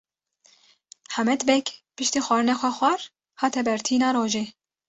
Hemed Beg piştî xwarina xwe xwar hate ber tîna rojê.